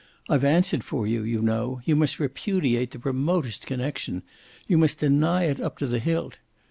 I've answered for you, you know; you must repudiate the remotest connexion; you must deny it up to the hilt.